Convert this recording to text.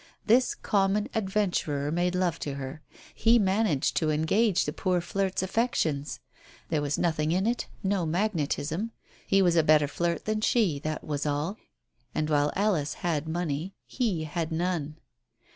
This common adventurer made love to her; he managed to engage the poor flirt's affections. There was nothing in it, no magnetism. He was a better flirt than she was, that was all, and while Alice had money, he had none.